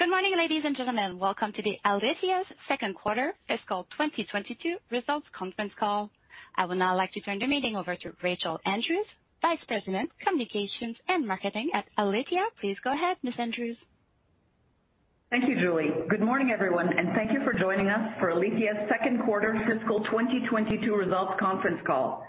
Good morning, ladies and gentlemen. Welcome to Alithya's second quarter fiscal 2022 results conference call. I would now like to turn the meeting over to Rachel Andrews, Vice President, Communications and Marketing at Alithya. Please go ahead, Ms. Andrews. Thank you, Julie. Good morning, everyone, and thank you for joining us for Alithya's second quarter fiscal 2022 results conference call.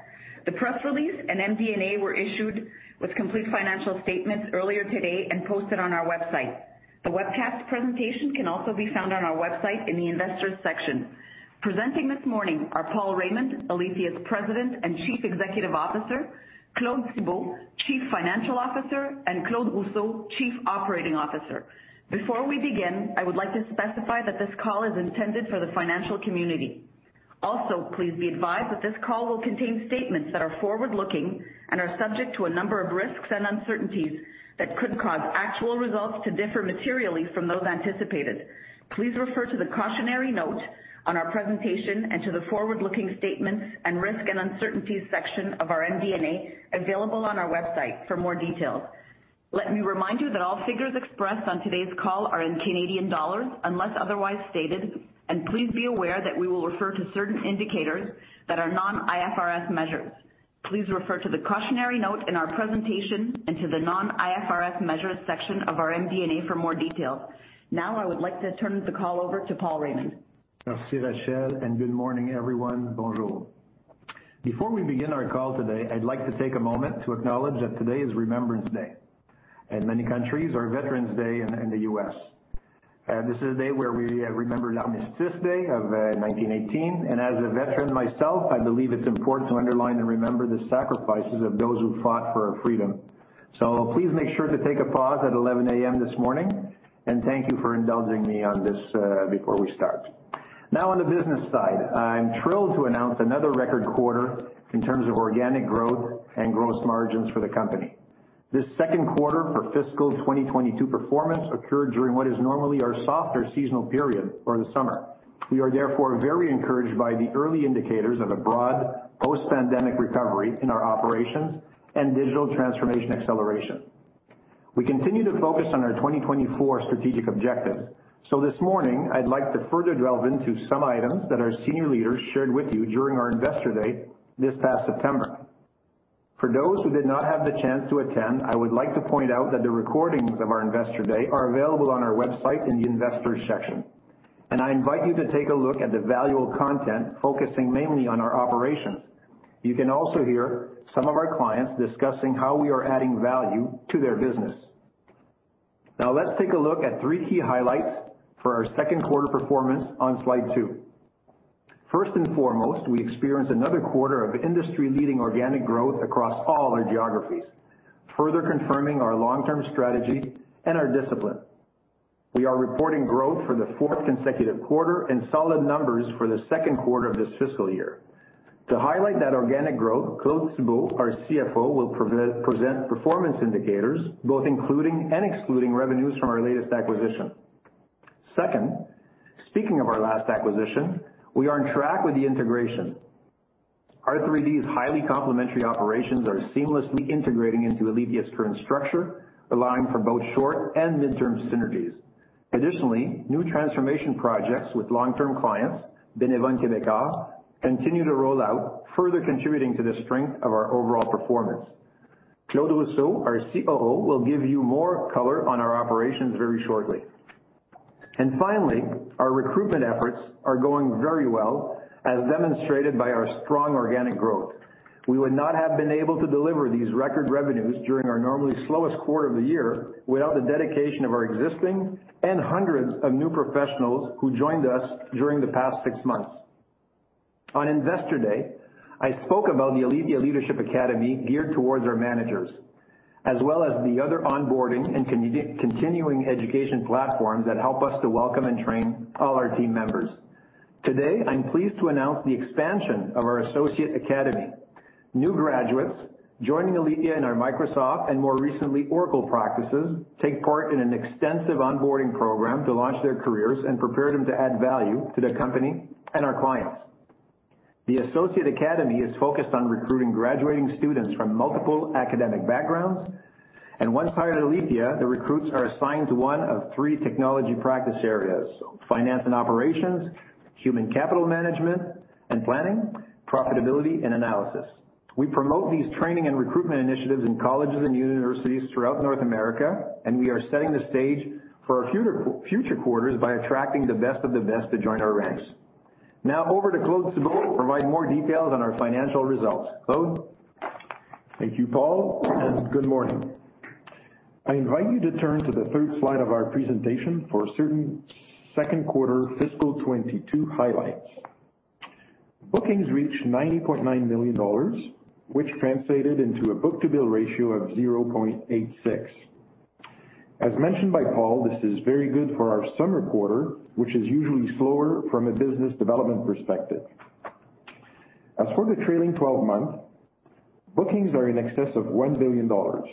The press release and MD&A were issued with complete financial statements earlier today and posted on our website. The webcast presentation can also be found on our website in the investors section. Presenting this morning are Paul Raymond, Alithya's President and Chief Executive Officer, Claude Thibault, Chief Financial Officer, and Claude Rousseau, Chief Operating Officer. Before we begin, I would like to specify that this call is intended for the financial community. Also, please be advised that this call will contain statements that are forward-looking and are subject to a number of risks and uncertainties that could cause actual results to differ materially from those anticipated. Please refer to the cautionary note on our presentation and to the forward-looking statements and risks and uncertainties section of our MD&A available on our website for more details. Let me remind you that all figures expressed on today's call are in Canadian dollars unless otherwise stated, and please be aware that we will refer to certain indicators that are non-IFRS measures. Please refer to the cautionary note in our presentation and to the non-IFRS measures section of our MD&A for more details. Now I would like to turn the call over to Paul Raymond. [Foreign language: Merci], Rachel, and good morning, everyone. [Foreign language: Bonjour]. Before we begin our call today, I'd like to take a moment to acknowledge that today is Remembrance Day. In many countries, our Veterans Day in the U.S. This is a day where we remember the Armistice Day of 1918. As a veteran myself, I believe it's important to underline and remember the sacrifices of those who fought for our freedom. Please make sure to take a pause at 11:00 A.M. this morning, and thank you for indulging me on this before we start. Now on the business side, I'm thrilled to announce another record quarter in terms of organic growth and gross margins for the company. This second quarter for fiscal 2022 performance occurred during what is normally our softer seasonal period for the summer. We are therefore very encouraged by the early indicators of a broad post-pandemic recovery in our operations and digital transformation acceleration. We continue to focus on our 2024 strategic objectives. This morning I'd like to further delve into some items that our senior leaders shared with you during our Investor Day this past September. For those who did not have the chance to attend, I would like to point out that the recordings of our Investor Day are available on our website in the Investors section, and I invite you to take a look at the valuable content focusing mainly on our operations. You can also hear some of our clients discussing how we are adding value to their business. Now let's take a look at three key highlights for our second quarter performance on slide two. First and foremost, we experienced another quarter of industry-leading organic growth across all our geographies, further confirming our long-term strategy and our discipline. We are reporting growth for the fourth consecutive quarter and solid numbers for the second quarter of this fiscal year. To highlight that organic growth, Claude Thibault, our CFO, will present performance indicators, both including and excluding revenues from our latest acquisition. Second, speaking of our last acquisition, we are on track with the integration. R3D's highly complementary operations are seamlessly integrating into Alithya's current structure, allowing for both short and mid-term synergies. Additionally, new transformation projects with long-term clients, Beneva, Quebecor, continue to roll out, further contributing to the strength of our overall performance. Claude Rousseau, our COO, will give you more color on our operations very shortly. Finally, our recruitment efforts are going very well, as demonstrated by our strong organic growth. We would not have been able to deliver these record revenues during our normally slowest quarter of the year without the dedication of our existing and hundreds of new professionals who joined us during the past six months. On Investor Day, I spoke about the Alithya Leadership Academy geared towards our managers, as well as the other onboarding and continuing education platforms that help us to welcome and train all our team members. Today, I'm pleased to announce the expansion of our Associate Academy. New graduates joining Alithya in our Microsoft and more recently Oracle practices take part in an extensive onboarding program to launch their careers and prepare them to add value to the company and our clients. The Associate Academy is focused on recruiting graduating students from multiple academic backgrounds. Once hired at Alithya, the recruits are assigned to one of three technology practice areas, Finance and Operations, Human Capital Management and Planning, Profitability, and Analysis. We promote these training and recruitment initiatives in colleges and universities throughout North America, and we are setting the stage for our future quarters by attracting the best of the best to join our ranks. Now over to Claude Thibault to provide more details on our financial results. Claude? Thank you, Paul, and good morning. I invite you to turn to the third slide of our presentation for certain second quarter fiscal 2022 highlights. Bookings reached 90.9 million dollars, which translated into a book-to-bill ratio of 0.86. As mentioned by Paul, this is very good for our summer quarter, which is usually slower from a business development perspective. As for the trailing twelve months, bookings are in excess of 1 billion dollars.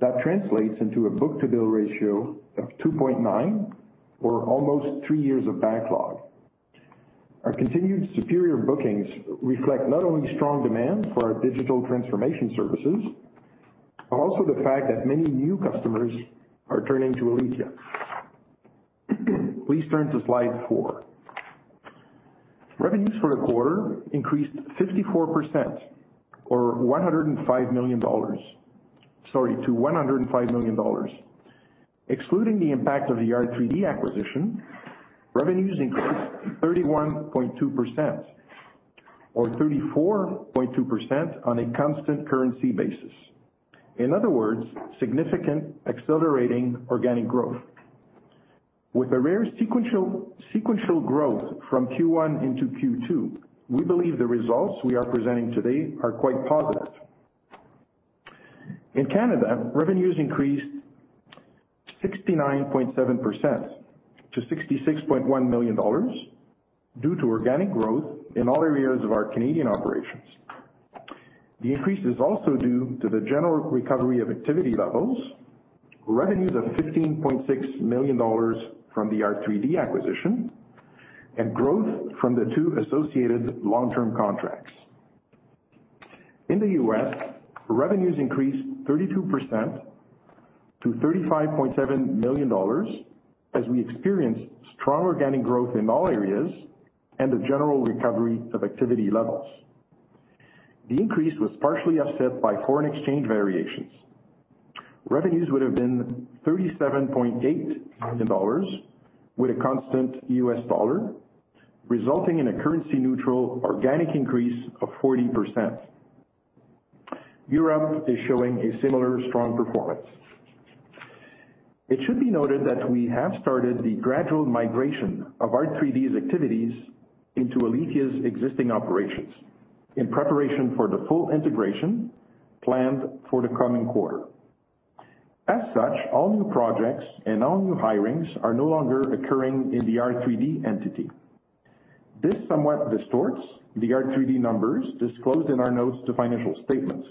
That translates into a book-to-bill ratio of two point nine or almost three years of backlog. Our continued superior bookings reflect not only strong demand for our digital transformation services, but also the fact that many new customers are turning to Alithya. Please turn to slide four. Revenues for the quarter increased 54% or 105 million dollars. Sorry, to 105 million dollars. Excluding the impact of the R3D acquisition, revenues increased 31.2% or 34.2% on a constant currency basis. In other words, significant accelerating organic growth. With a rare sequential growth from Q1 into Q2, we believe the results we are presenting today are quite positive. In Canada, revenues increased 69.7% to 66.1 million dollars due to organic growth in all areas of our Canadian operations. The increase is also due to the general recovery of activity levels, revenues of 15.6 million dollars from the R3D acquisition, and growth from the two associated long-term contracts. In the U.S., revenues increased 32% to 35.7 million dollars as we experienced strong organic growth in all areas and a general recovery of activity levels. The increase was partially offset by foreign exchange variations. Revenues would have been 37.8 million dollars with a constant US dollar, resulting in a currency neutral organic increase of 40%. Europe is showing a similar strong performance. It should be noted that we have started the gradual migration of R3D's activities into Alithya's existing operations in preparation for the full integration planned for the coming quarter. As such, all new projects and all new hiring are no longer occurring in the R3D entity. This somewhat distorts the R3D numbers disclosed in our notes to financial statements.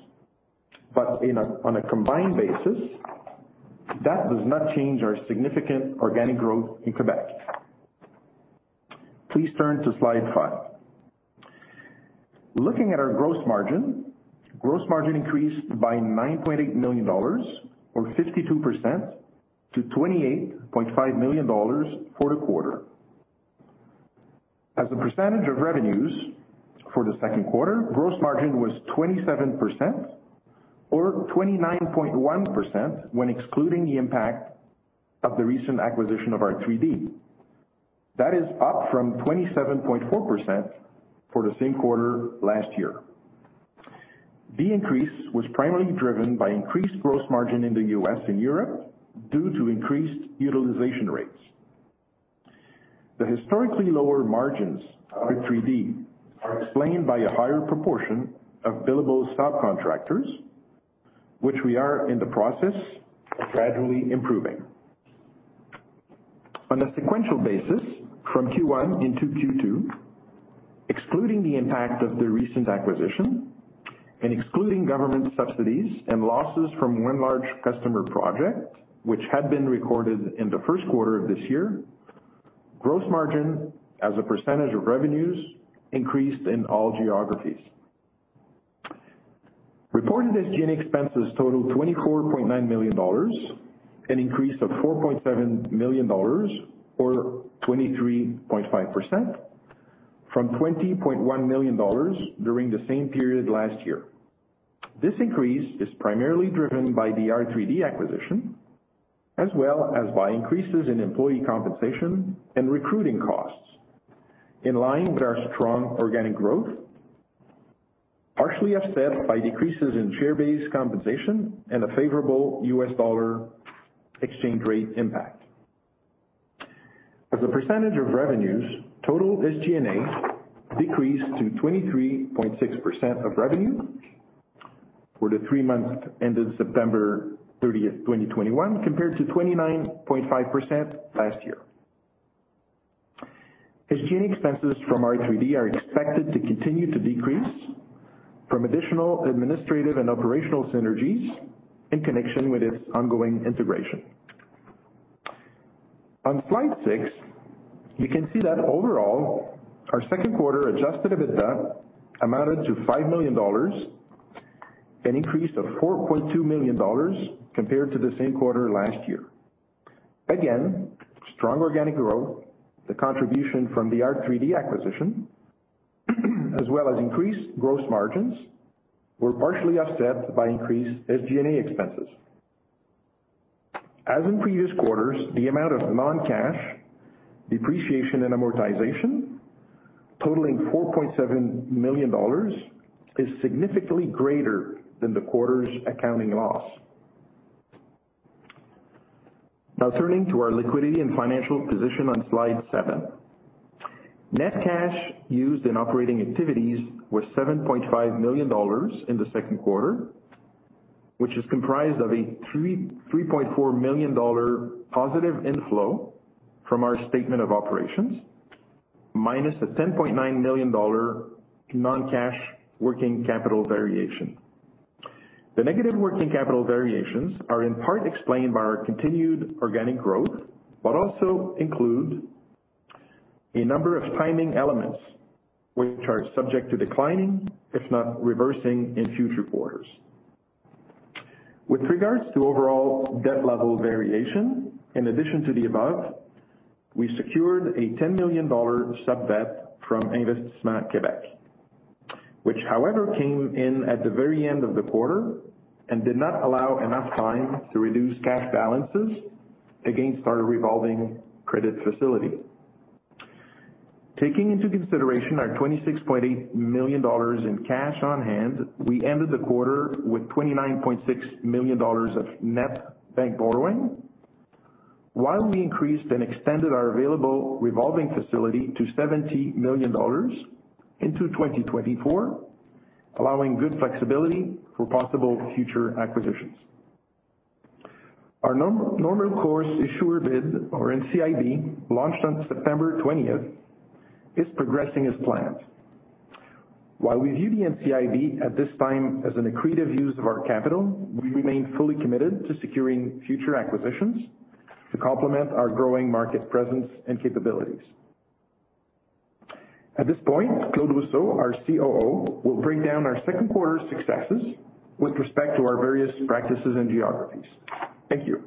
On a combined basis, that does not change our significant organic growth in Quebec. Please turn to slide five. Looking at our gross margin, gross margin increased by 9.8 million dollars or 52% to 28.5 million dollars for the quarter. As a percentage of revenues for the second quarter, gross margin was 27% or 29.1% when excluding the impact of the recent acquisition of R3D. That is up from 27.4% for the same quarter last year. The increase was primarily driven by increased gross margin in the U.S. and Europe due to increased utilization rates. The historically lower margins of R3D are explained by a higher proportion of billable subcontractors, which we are in the process of gradually improving. On a sequential basis, from Q1 into Q2, excluding the impact of the recent acquisition and excluding government subsidies and losses from one large customer project, which had been recorded in the first quarter of this year, gross margin as a percentage of revenues increased in all geographies. Reported SG&A expenses totaled 24.9 million dollars, an increase of 4.7 million dollars or 23.5% from 20.1 million dollars during the same period last year. This increase is primarily driven by the R3D acquisition, as well as by increases in employee compensation and recruiting costs in line with our strong organic growth, partially offset by decreases in share-based compensation and a favorable U.S. dollar exchange rate impact. As a percentage of revenues, total SG&A decreased to 23.6% of revenue for the three months ended September 30th, 2021, compared to 29.5% last year. SG&A expenses from R3D are expected to continue to decrease from additional administrative and operational synergies in connection with its ongoing integration. On slide six, you can see that overall, our second quarter Adjusted EBITDA amounted to 5 million dollars, an increase of 4.2 million dollars compared to the same quarter last year. Strong organic growth, the contribution from the R3D acquisition, as well as increased gross margins were partially offset by increased SG&A expenses. As in previous quarters, the amount of non-cash depreciation and amortization totaling 4.7 million dollars is significantly greater than the quarter's accounting loss. Now turning to our liquidity and financial position on slide 7. Net cash used in operating activities was 7.5 million dollars in the second quarter, which is comprised of a 3.4 million dollar positive inflow from our statement of operations, minus a 10.9 million dollar non-cash working capital variation. The negative working capital variations are in part explained by our continued organic growth, but also include a number of timing elements which are subject to declining, if not reversing, in future quarters. With regards to overall debt level variation, in addition to the above, we secured a 10 million dollar sub-debt from Investissement Québec, which, however, came in at the very end of the quarter and did not allow enough time to reduce cash balances against our revolving credit facility. Taking into consideration our 26.8 million dollars in cash on hand, we ended the quarter with 29.6 million dollars of net bank borrowing. While we increased and extended our available revolving facility to 70 million dollars into 2024, allowing good flexibility for possible future acquisitions. Our normal course issuer bid, or NCIB, launched on September 20th, is progressing as planned. While we view the NCIB at this time as an accretive use of our capital, we remain fully committed to securing future acquisitions to complement our growing market presence and capabilities. At this point, Claude Rousseau, our COO, will break down our second quarter successes with respect to our various practices and geographies. Thank you.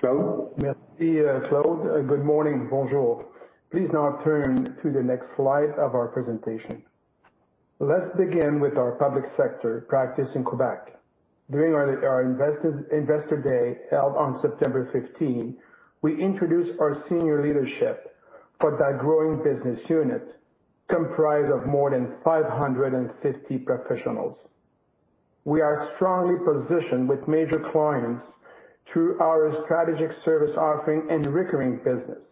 Claude? Merci, Claude. Good morning. Bonjour. Please now turn to the next slide of our presentation. Let's begin with our public sector practice in Quebec. During our Investor Day, held on September 15, we introduced our senior leadership for that growing business unit comprised of more than 550 professionals. We are strongly positioned with major clients through our strategic service offering and recurring business.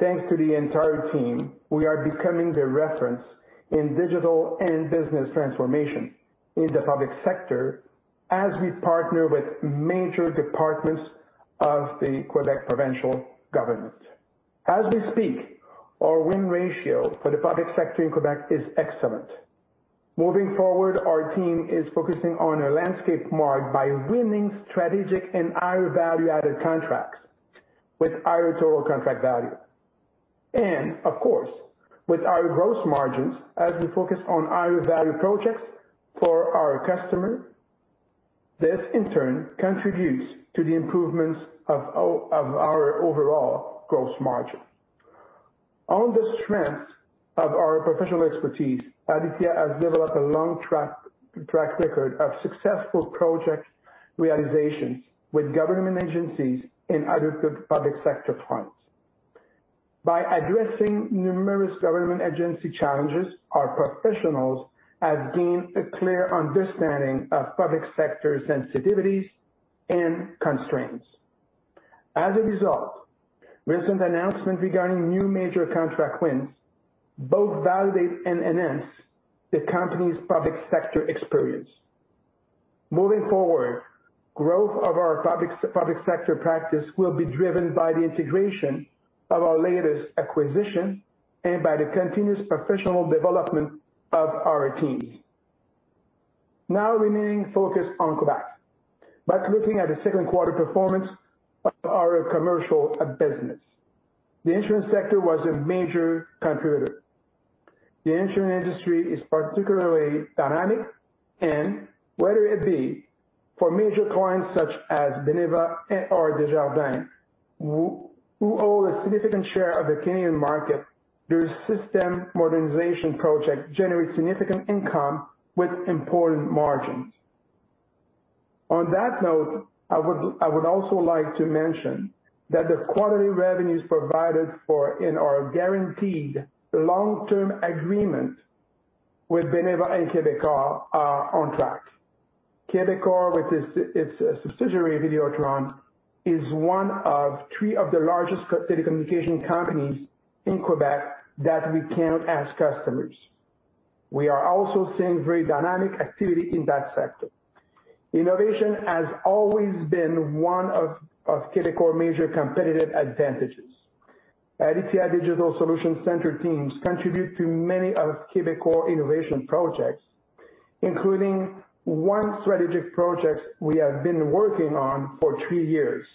Thanks to the entire team, we are becoming the reference in digital and business transformation in the public sector as we partner with major departments of the Quebec provincial government. As we speak, our win ratio for the public sector in Quebec is excellent. Moving forward, our team is focusing on a landscape marked by winning strategic and higher value-added contracts with higher total contract value and, of course, with our gross margins as we focus on higher value projects for our customer. This in turn contributes to the improvements of our overall gross margin. On the strength of our professional expertise, Alithya has developed a long track record of successful project realizations with government agencies and other public sector clients. By addressing numerous government agency challenges, our professionals have gained a clear understanding of public sector sensitivities and constraints. As a result, recent announcements regarding new major contract wins both validate and enhance the company's public sector experience. Moving forward, growth of our public sector practice will be driven by the integration of our latest acquisition and by the continuous professional development of our teams. Now remaining focused on Quebec, but looking at the second quarter performance of our commercial business. The insurance sector was a major contributor. The insurance industry is particularly dynamic and whether it be for major clients such as Beneva or Desjardins, who owe a significant share of the Canadian market, their system modernization project generates significant income with important margins. On that note, I would also like to mention that the quarterly revenues provided for in our guaranteed long-term agreement with Beneva and Quebecor are on track. Quebecor, with its subsidiary Videotron, is one of the three largest telecommunications companies in Quebec that we count as customers. We are also seeing very dynamic activity in that sector. Innovation has always been one of Quebecor's major competitive advantages. Alithya Digital Solutions Center teams contribute to many of Quebecor's innovation projects, including one strategic project we have been working on for three years.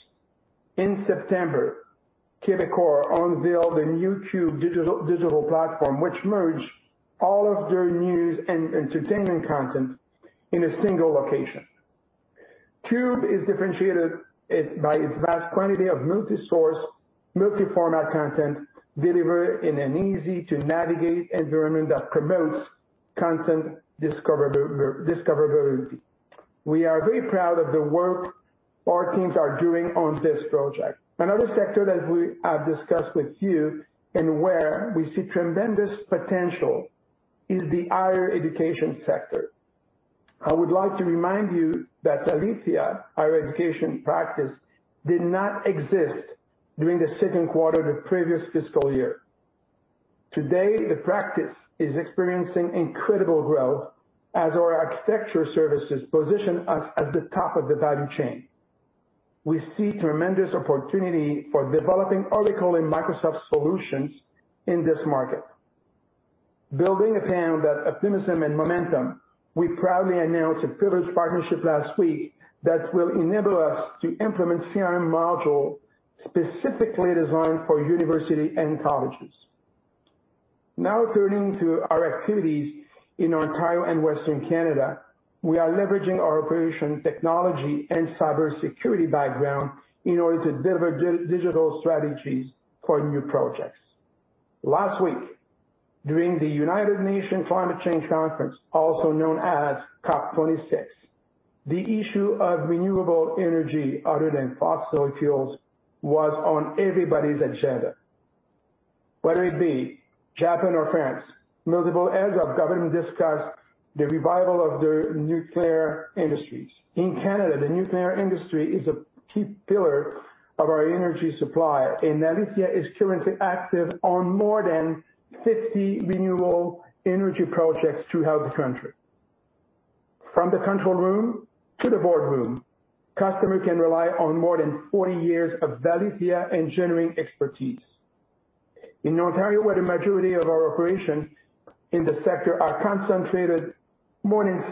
In September, Quebecor unveiled a new QUB digital platform which merged all of their news and entertainment content in a single location. QUB is differentiated by its vast quantity of multi-source, multi-format content delivered in an easy-to-navigate environment that promotes content discoverability. We are very proud of the work our teams are doing on this project. Another sector that we have discussed with you and where we see tremendous potential is the higher education sector. I would like to remind you that Alithya, our education practice, did not exist during the second quarter of the previous fiscal year. Today, the practice is experiencing incredible growth as our architecture services position us at the top of the value chain. We see tremendous opportunity for developing Oracle and Microsoft solutions in this market. Building upon that optimism and momentum, we proudly announced a privileged partnership last week that will enable us to implement CRM module specifically designed for universities and colleges. Now turning to our activities in Ontario and Western Canada. We are leveraging our operational technology and cybersecurity background in order to deliver digital strategies for new projects. Last week, during the United Nations Climate Change Conference, also known as COP26, the issue of renewable energy other than fossil fuels was on everybody's agenda. Whether it be Japan or France, multiple heads of government discussed the revival of their nuclear industries. In Canada, the nuclear industry is a key pillar of our energy supply, and Alithya is currently active on more than 50 renewable energy projects throughout the country. From the control room to the board room, customers can rely on more than 40 years of Alithya engineering expertise. In Ontario, where the majority of our operations in the sector are concentrated, more than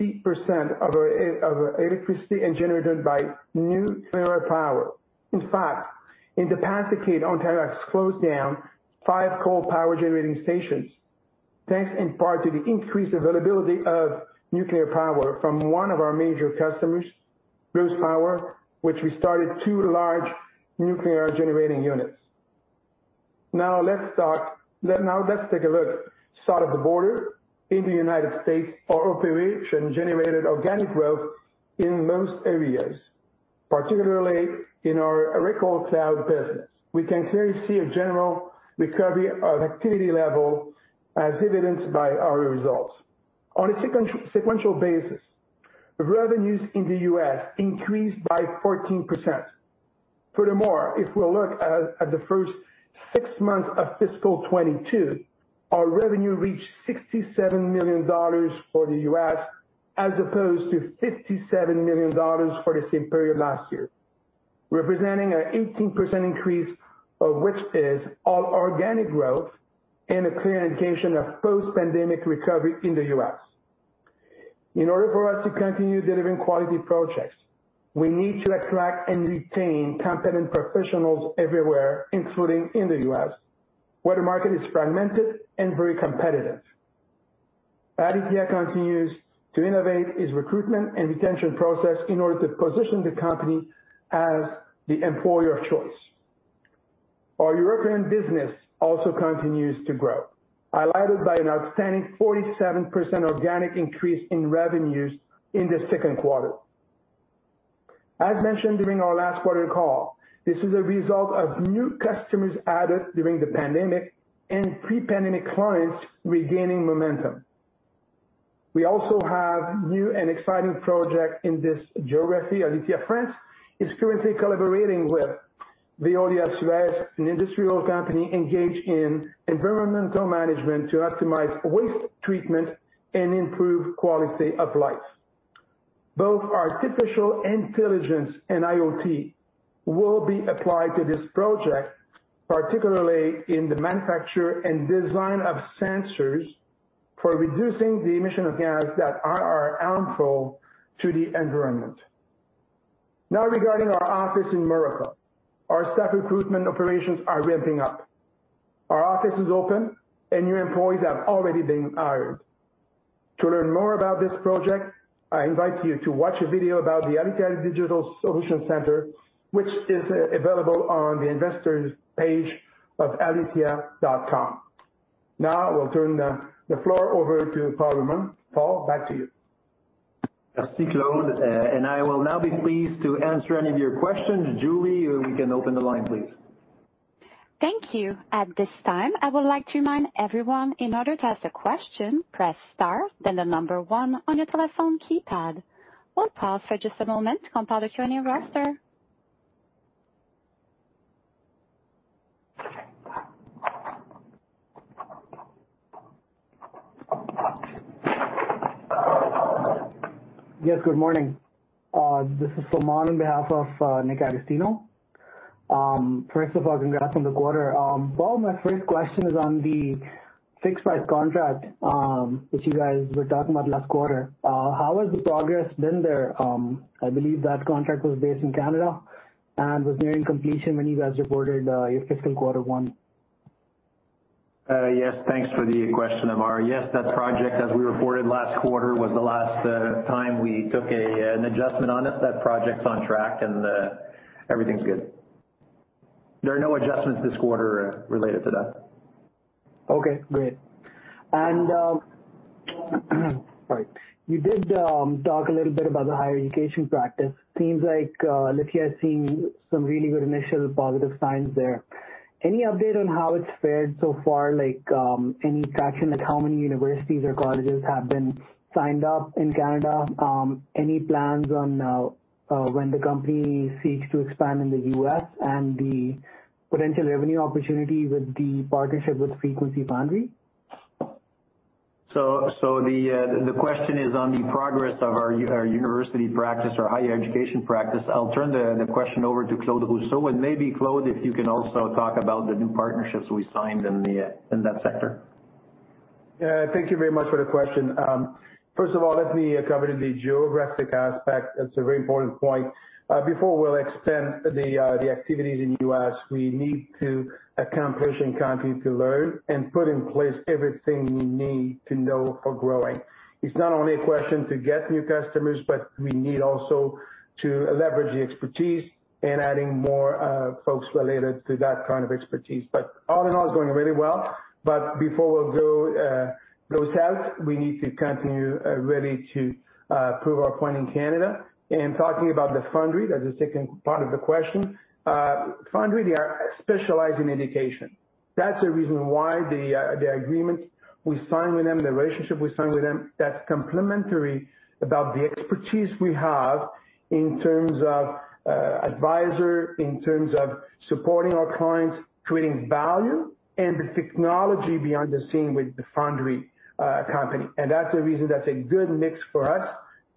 60% of our electricity is generated by nuclear power. In fact, in the past decade, Ontario has closed down five coal power generating stations, thanks in part to the increased availability of nuclear power from one of our major customers, Bruce Power, which we started two large nuclear generating units. Now let's take a look south of the border. In the United States, our operation generated organic growth in most areas, particularly in our Oracle Cloud business. We can clearly see a general recovery of activity level as evidenced by our results. On a sequential basis, revenues in the U.S. increased by 14%. Furthermore, if we look at the first six months of fiscal 2022, our revenue reached $67 million for the U.S. as opposed to $57 million for the same period last year, representing an 18% increase of which is all organic growth and a clear indication of post-pandemic recovery in the U.S. In order for us to continue delivering quality projects, we need to attract and retain competent professionals everywhere, including in the U.S., where the market is fragmented and very competitive. Alithya continues to innovate its recruitment and retention process in order to position the company as the employer of choice. Our European business also continues to grow, highlighted by an outstanding 47% organic increase in revenues in the second quarter. As mentioned during our last quarter call, this is a result of new customers added during the pandemic and pre-pandemic clients regaining momentum. We also have new and exciting project in this geography. Alithya France is currently collaborating with Veolia Suresnes, an industrial company engaged in environmental management to optimize waste treatment and improve quality of life. Both artificial intelligence and IoT will be applied to this project, particularly in the manufacture and design of sensors for reducing the emission of gases that are harmful to the environment. Now regarding our office in Morocco, our staff recruitment operations are ramping up. Our office is open and new employees have already been hired. To learn more about this project, I invite you to watch a video about the Alithya Digital Solutions Center, which is available on the investor's page of alithya.com. Now I will turn the floor over to Paul Raymond. Paul, back to you. Merci, Claude. I will now be pleased to answer any of your questions. Julie, we can open the line, please. Thank you. At this time, I would like to remind everyone, in order to ask a question, press star then the number one on your telephone keypad. We'll pause for just a moment to compile the attendee roster. Yes, good morning. This is Salman on behalf of Nick Agostino. First of all, congrats on the quarter. Paul, my first question is on the fixed price contract, which you guys were talking about last quarter. How has the progress been there? I believe that contract was based in Canada and was nearing completion when you guys reported your fiscal quarter one. Yes, thanks for the question, Salman. Yes, that project, as we reported last quarter, was the last time we took an adjustment on it. That project's on track and everything's good. There are no adjustments this quarter related to that. Okay, great. Sorry. You did talk a little bit about the higher education practice. Seems like Alithya is seeing some really good initial positive signs there. Any update on how it's fared so far? Like any traction, like how many universities or colleges have been signed up in Canada? Any plans on when the company seeks to expand in the U.S. and the potential revenue opportunity with the partnership with Frequency Foundry? The question is on the progress of our university practice or higher education practice. I'll turn the question over to Claude Rousseau. Maybe, Claude, if you can also talk about the new partnerships we signed in that sector. Yeah. Thank you very much for the question. First of all, let me cover the geographic aspect. That's a very important point. Before we'll extend the activities in U.S., we need to accomplish and continue to learn and put in place everything we need to know for growing. It's not only a question to get new customers, but we need also to leverage the expertise and adding more, folks related to that kind of expertise. All in all, it's going really well. Before we'll go out, we need to continue really to prove our point in Canada. Talking about Frequency Foundry, that's the second part of the question. Foundry, they are specialized in education. That's the reason why the agreement we signed with them, the relationship we signed with them, that's complementary about the expertise we have in terms of advisor, in terms of supporting our clients, creating value and the technology behind the scene with Frequency Foundry company. That's the reason that's a good mix for us.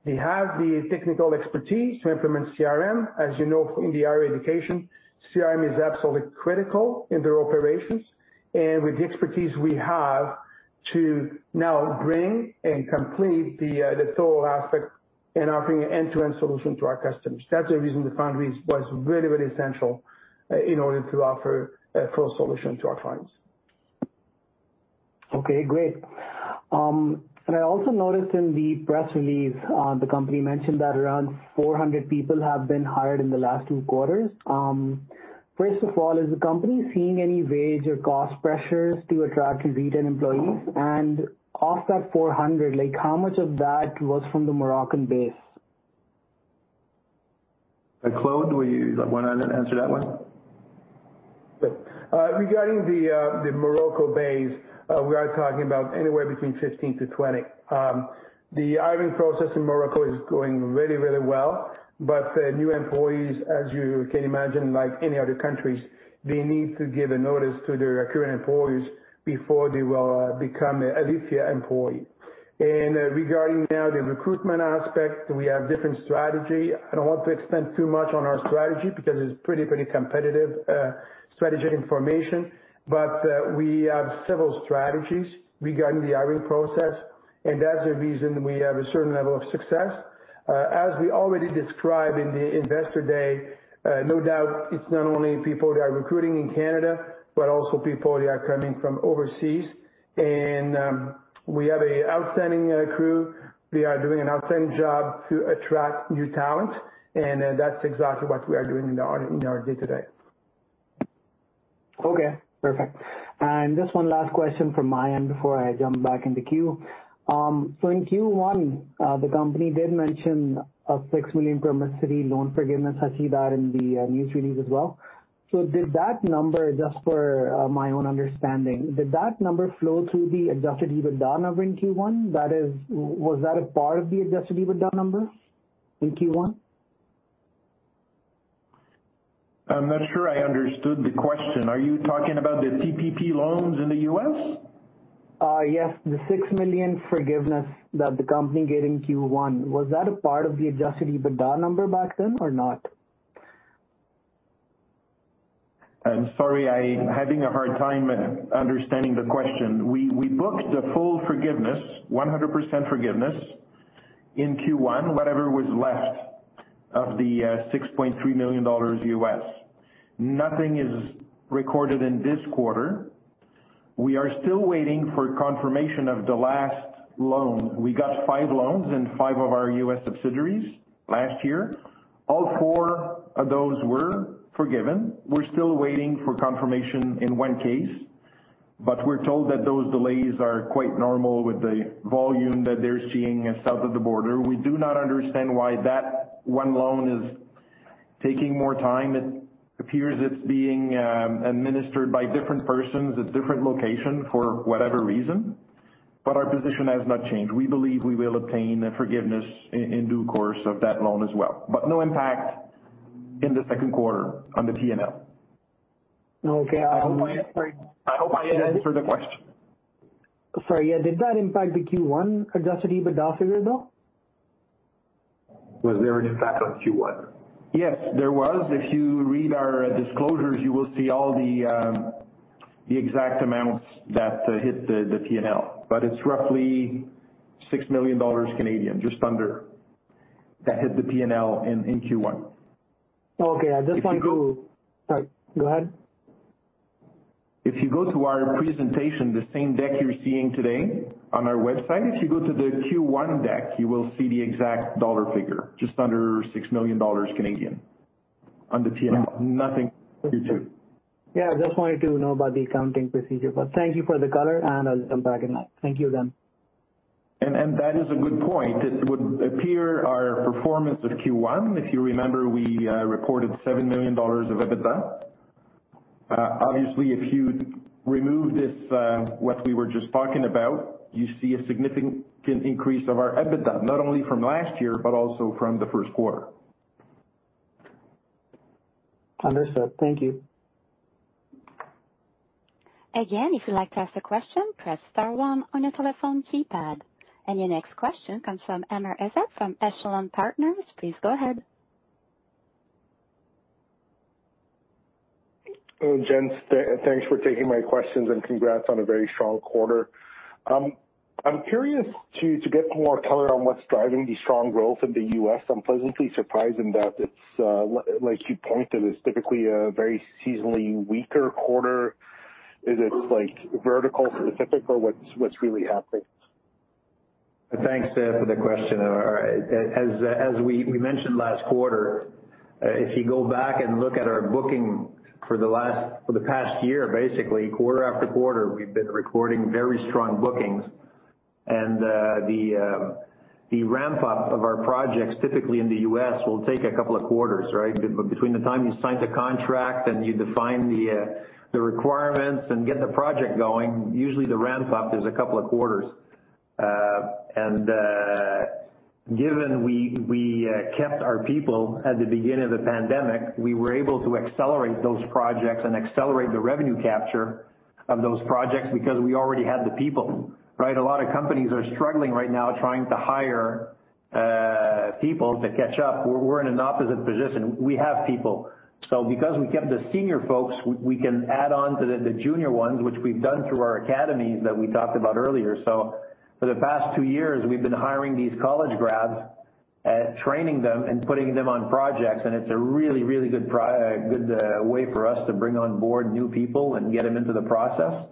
They have the technical expertise to implement CRM. As you know, in the higher education, CRM is absolutely critical in their operations and with the expertise we have to now bring and complete the total aspect and offering an end-to-end solution to our customers. That's the reason Frequency Foundry is very, very essential in order to offer a full solution to our clients. Okay, great. I also noticed in the press release the company mentioned that around 400 people have been hired in the last two quarters. First of all, is the company seeing any wage or cost pressures to attract and retain employees? Of that 400, like how much of that was from the Moroccan base? Claude, will you wanna answer that one? Sure. Regarding the Morocco base, we are talking about anywhere between 15-20. The hiring process in Morocco is going really well, but new employees, as you can imagine, like any other countries, they need to give a notice to their current employees before they will become a Alithya employee. Regarding now the recruitment aspect, we have different strategy. I don't want to expand too much on our strategy because it's pretty competitive strategy information. But we have several strategies regarding the hiring process, and that's the reason we have a certain level of success. As we already described in the investor day, no doubt it's not only people that are recruiting in Canada, but also people that are coming from overseas. We have a outstanding crew. We are doing an outstanding job to attract new talent, and that's exactly what we are doing in our day-to-day. Okay, perfect. Just one last question from my end before I jump back in the queue. In Q1, the company did mention a $6 million PPP loan forgiveness. I see that in the news release as well. Did that number, just for my own understanding, flow through the Adjusted EBITDA number in Q1? That is, was that a part of the Adjusted EBITDA number in Q1? I'm not sure I understood the question. Are you talking about the PPP loans in the U.S.? Yes. The 6 million forgiveness that the company gave in Q1, was that a part of the adjusted EBITDA number back then or not? I'm sorry. I'm having a hard time understanding the question. We booked the full forgiveness, 100% forgiveness in Q1, whatever was left of the $6.3 million. Nothing is recorded in this quarter. We are still waiting for confirmation of the last loan. We got five loans in five of our U.S. subsidiaries last year. All four of those were forgiven. We're still waiting for confirmation in one case, but we're told that those delays are quite normal with the volume that they're seeing south of the border. We do not understand why that one loan is taking more time. It appears it's being administered by different persons at different location for whatever reason, but our position has not changed. We believe we will obtain a forgiveness in due course of that loan as well. No impact in the second quarter on the P&L. Okay. I hope I I hope I answered the question. Sorry. Yeah. Did that impact the Q1 Adjusted EBITDA figure, though? Was there an impact on Q1? Yes, there was. If you read our disclosures, you will see all the exact amounts that hit the P&L. It's roughly 6 million Canadian dollars, just under, that hit the P&L in Q1. Okay. I just wanted to. If you go. Sorry, go ahead. If you go to our presentation, the same deck you're seeing today on our website, if you go to the Q1 deck, you will see the exact dollar figure, just under 6 million Canadian dollars on the P&L. Nothing Q2. Yeah, I just wanted to know about the accounting procedure. Thank you for the color, and I'll jump back in line. Thank you, again. That is a good point. It would appear our performance of Q1, if you remember, we reported 7 million dollars of EBITDA. Obviously, if you remove this, what we were just talking about, you see a significant increase of our EBITDA, not only from last year, but also from the first quarter. Understood. Thank you. Again, if you'd like to ask a question, press star one on your telephone keypad. Your next question comes from Amr Ezzat from Echelon Wealth Partners. Please go ahead. Hello, gents. Thanks for taking my questions and congrats on a very strong quarter. I'm curious to get more color on what's driving the strong growth in the U.S. I'm pleasantly surprised in that it's like you pointed, it's typically a very seasonally weaker quarter. Is it like vertical specific or what's really happening? Thanks, Amir, for the question. As we mentioned last quarter, if you go back and look at our booking for the past year, basically, quarter after quarter, we've been recording very strong bookings. The ramp up of our projects, typically in the U.S., will take a couple of quarters, right? Between the time you sign the contract and you define the requirements and get the project going, usually the ramp up is a couple of quarters. Given we kept our people at the beginning of the pandemic, we were able to accelerate those projects and accelerate the revenue capture of those projects because we already had the people, right? A lot of companies are struggling right now trying to hire people to catch up. We're in an opposite position. We have people. Because we kept the senior folks, we can add on to the junior ones, which we've done through our academies that we talked about earlier. For the past two years, we've been hiring these college grads, training them and putting them on projects, and it's a really good way for us to bring on board new people and get them into the process.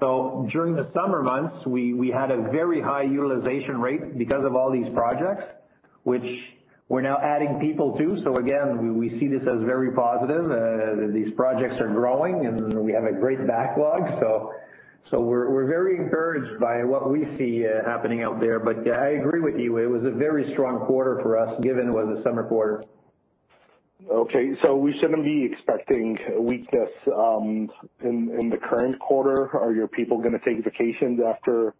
During the summer months, we had a very high utilization rate because of all these projects, which we're now adding people to. Again, we see this as very positive. These projects are growing, and we have a great backlog. We're very encouraged by what we see happening out there. I agree with you, it was a very strong quarter for us, given it was a summer quarter. Okay. We shouldn't be expecting weakness in the current quarter. Are your people gonna take vacations after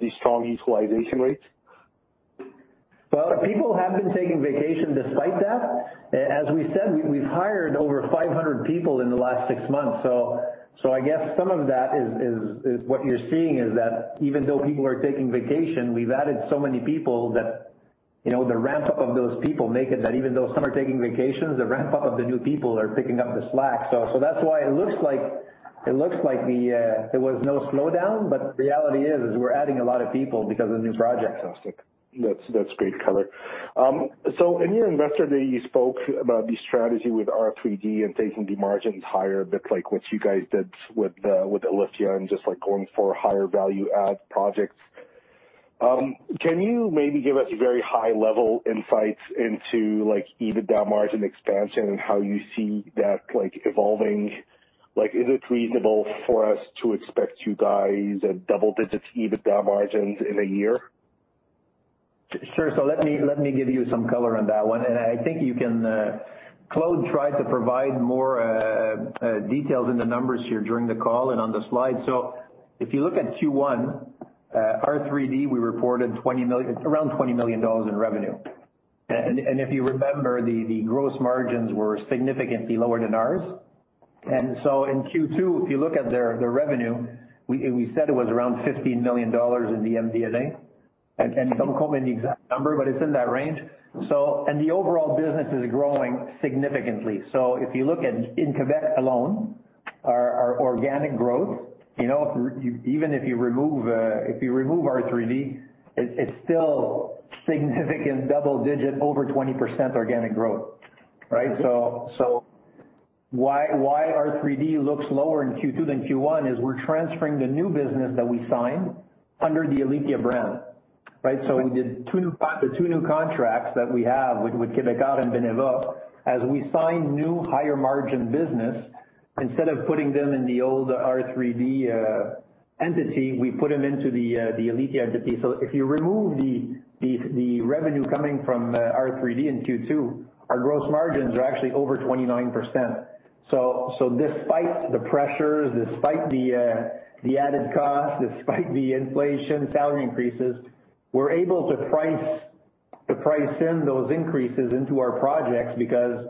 these strong utilization rates? Well, people have been taking vacations despite that. As we said, we've hired over 500 people in the last six-months. I guess some of that is what you're seeing, is that even though people are taking vacation, we've added so many people that, you know, the ramp up of those people make it that even though some are taking vacations, the ramp up of the new people are picking up the slack. That's why it looks like the there was no slowdown, but the reality is we're adding a lot of people because of new projects. That's great color. In your investor day, you spoke about the strategy with R3D and taking the margins higher, a bit like what you guys did with Alithya and just, like, going for higher value add projects. Can you maybe give us very high level insights into, like, EBITDA margin expansion and how you see that, like, evolving? Is it reasonable for us to expect you guys at double digits EBITDA margins in a year? Sure. Let me give you some color on that one. I think you can Claude tried to provide more details in the numbers here during the call and on the slide. If you look at Q1, R3D, we reported 20 million, around 20 million dollars in revenue. If you remember, the gross margins were significantly lower than ours. In Q2, if you look at their revenue, we said it was around 15 million dollars in MD&A. I can't quote you the exact number, but it's in that range. The overall business is growing significantly. If you look at, in Quebec alone, our organic growth, you know, even if you remove R3D, it's still significant double-digit over 20% organic growth, right? Why R3D looks lower in Q2 than Q1 is we're transferring the new business that we signed under the Alithya brand, right? We did the two new contracts that we have with Quebecor and Beneva, as we sign new higher margin business, instead of putting them in the old R3D entity, we put them into the Alithya entity. If you remove the revenue coming from R3D in Q2, our gross margins are actually over 29%. Despite the pressures, despite the added cost, despite the inflation, salary increases, we're able to price in those increases into our projects because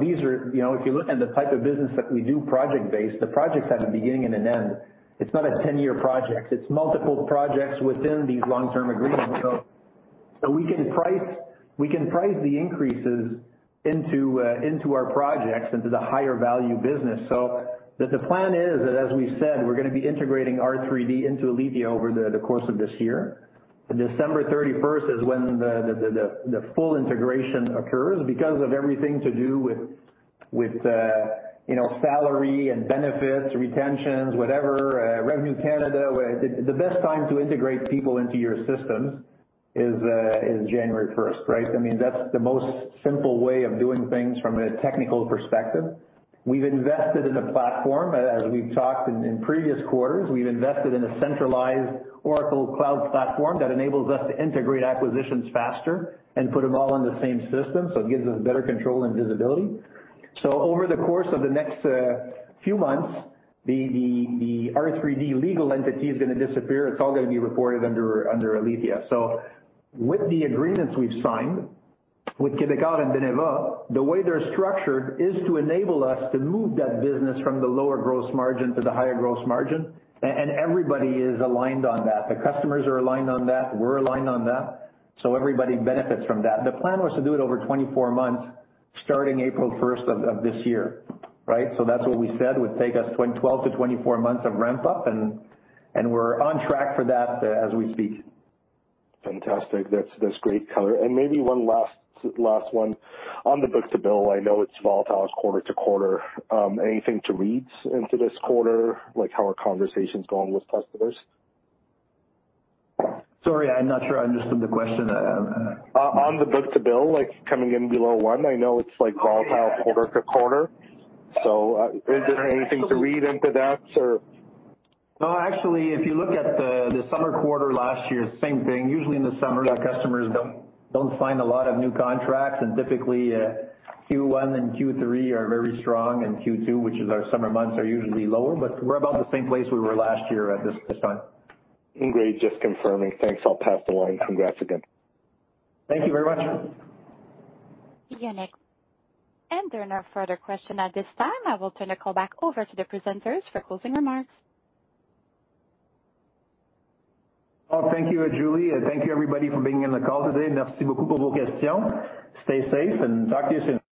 these are. You know, if you look at the type of business that we do, project-based, the projects have a beginning and an end. It's not a 10-year project. It's multiple projects within these long-term agreements. We can price the increases into our projects, into the higher value business. The plan is that, as we said, we're gonna be integrating R3D into Alithya over the course of this year. December 31st is when the full integration occurs because of everything to do with you know, salary and benefits, retentions, whatever, Canada Revenue Agency. The best time to integrate people into your systems is January first, right? I mean, that's the most simple way of doing things from a technical perspective. We've invested in a platform, as we've talked in previous quarters. We've invested in a centralized Oracle Cloud platform that enables us to integrate acquisitions faster and put them all in the same system, so it gives us better control and visibility. Over the course of the next few months, the R3D legal entity is gonna disappear. It's all gonna be reported under Alithya. With the agreements we've signed with Quebecor and Beneva, the way they're structured is to enable us to move that business from the lower gross margin to the higher gross margin. Everybody is aligned on that. The customers are aligned on that. We're aligned on that. Everybody benefits from that. The plan was to do it over 24 months, starting April first of this year, right? That's what we said would take us 12-24 months of ramp up, and we're on track for that as we speak. Fantastic. That's great color. Maybe one last one. On the book-to-bill, I know it's volatile quarter to quarter. Anything to read into this quarter, like how are conversations going with customers? Sorry, I'm not sure I understood the question. On the book-to-bill, like coming in below one, I know it's like volatile quarter to quarter. Is there anything to read into that or? No, actually, if you look at the summer quarter last year, same thing. Usually in the summer, our customers don't sign a lot of new contracts, and typically, Q1 and Q3 are very strong, and Q2, which is our summer months, are usually lower. But we're about the same place we were last year at this time. Great. Just confirming. Thanks. I'll pass the line. Congrats again. Thank you very much. There are no further questions at this time. I will turn the call back over to the presenters for closing remarks. Well, thank you, Julie, and thank you, everybody, for being on the call today. French close. Stay safe, and talk to you soon.